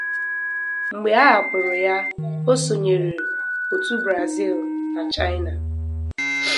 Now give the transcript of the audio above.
Mgbe a hapụrụ ya, ọ sonyere otu (Brazil), na (China).